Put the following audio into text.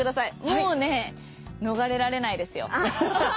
もうね逃れられないですよ。